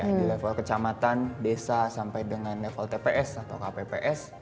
baik di level kecamatan desa sampai dengan level tps atau kpps